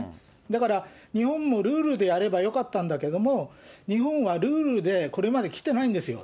だから、日本もルールでやればよかったんだけれども、日本はルールでこれまできてないんですよ。